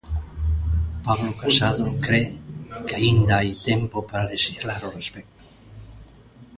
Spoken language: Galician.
Pablo Casado cre que aínda hai tempo para lexislar ao respecto.